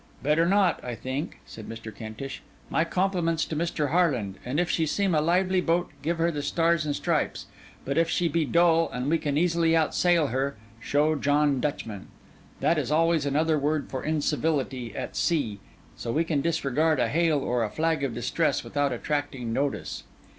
'Better not, I think,' said Mr. Kentish. 'My compliments to Mr. Harland; and if she seem a lively boat, give her the stars and stripes; but if she be dull, and we can easily outsail her, show John Dutchman. That is always another word for incivility at sea; so we can disregard a hail or a flag of distress, without attracting notice.